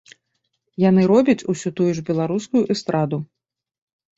Яны робяць усё тую ж беларускую эстраду.